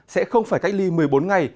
sẽ không phải cách ly một mươi bốn ngày